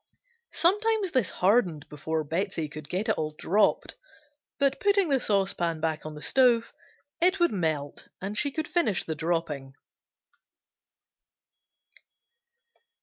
Sometimes this hardened before Betsey could get it all dropped, but putting the saucepan back on the stove, it would melt and she could finish the dropping.